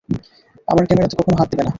আমার ক্যামেরাতে কখনো হাত দেবে না!